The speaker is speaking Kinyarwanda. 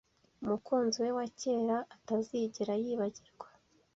umukunzi we wa cyera atazigera yibagirwa.